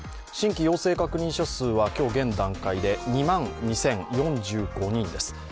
新規陽性確認者数は今日現段階で２万２０４５人です。